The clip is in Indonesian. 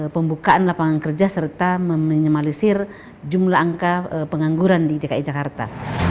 pembukaan lapangan kerja serta meminimalisir jumlah angka pengangguran di dki jakarta